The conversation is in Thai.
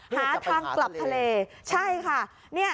หาทางกลับทะเล